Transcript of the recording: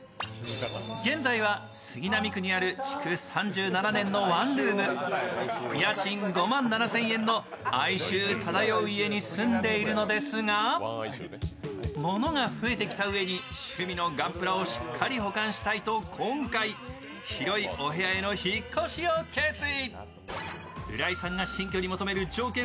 現在は杉並区にある築３７年のワンルーム、家賃５万７０００円の哀愁漂う家に住んでいるのですが物が増えてきたうえに趣味のガンプラをしっかり保管したいと広いお部屋への引っ越しを決意。